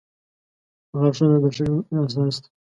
• غاښونه د ښه ژوند اساس دي.